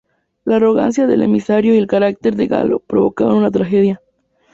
La arrogancia del emisario y el carácter de Galo provocaron una tragedia.